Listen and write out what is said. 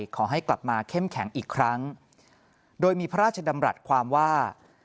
ขอให้กลับมาเข้มแข็งอีกครั้งโดยมีพระราชดำรัฐความว่า